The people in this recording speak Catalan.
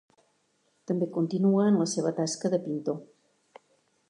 També continuà en la seva tasca de pintor.